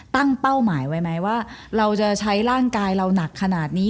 เป้าหมายไว้ไหมว่าเราจะใช้ร่างกายเราหนักขนาดนี้